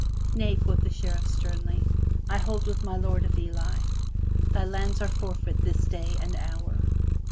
"Nay," quoth the Sheriff sternly. "I hold with my Lord of Ely. Thy lands are forfeit this day and hour."